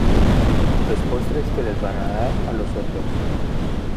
los postres que les van a dar a los otros.